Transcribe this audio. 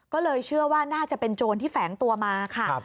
ก็เลยเชื่อว่าน่าจะเป็นโจรที่แฝงตัวมาค่ะ